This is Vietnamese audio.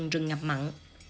gần rừng ngập mặn